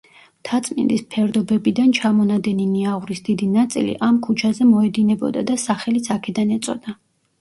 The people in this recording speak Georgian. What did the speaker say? მთაწმინდის ფერდობებიდან ჩამონადენი ნიაღვრის დიდი ნაწილი ამ ქუჩაზე მოედინებოდა და სახელიც აქედან ეწოდა.